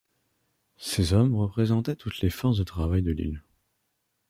Ces hommes représentaient toutes les forces de travail de l'île.